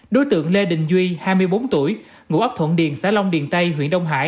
đối tượng lê đình duy hai mươi bốn tuổi ngụ ấp thuận điền xã long điền tây huyện đông hải